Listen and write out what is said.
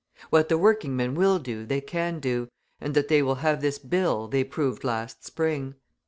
What the working men will do they can do, and that they will have this bill they proved last spring.